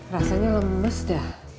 rasanya lemes dah